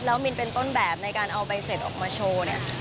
แล้วมินเป็นต้นแบบในการเอาใบเสร็จออกมาโชว์เนี่ย